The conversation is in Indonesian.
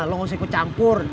lo gak usah ikut campur